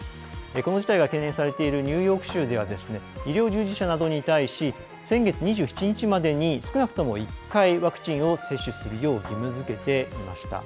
この事態が懸念されているニューヨーク州では医療従事者などに対し先月２７日までに少なくとも１回ワクチンを接種するよう義務づけていました。